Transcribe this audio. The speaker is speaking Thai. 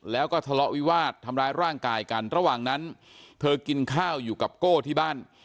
แล้วก็ทะเลาะวิวาสทำร้ายร่างกายกันระหว่างนั้นเธอกินข้าวอยู่กับโก้ที่บ้าน